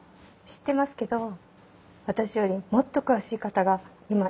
知ってますけど私よりもっと詳しい方が今いらしてます。